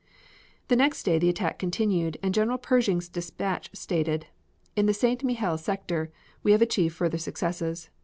The next day the attack continued, and General Pershing's dispatch stated: "In the St. Mihiel sector we have achieved further successes.